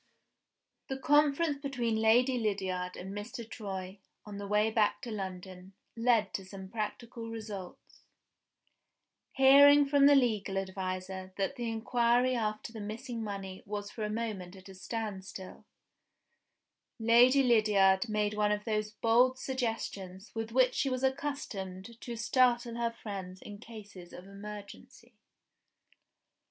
THE conference between Lady Lydiard and Mr. Troy, on the way back to London, led to some practical results. Hearing from her legal adviser that the inquiry after the missing money was for a moment at a standstill, Lady Lydiard made one of those bold suggestions with which she was accustomed to startle her friends in cases of emergency.